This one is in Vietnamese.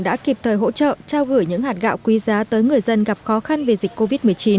đã kịp thời hỗ trợ trao gửi những hạt gạo quý giá tới người dân gặp khó khăn về dịch covid một mươi chín